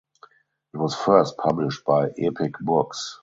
It was first published by Epic Books.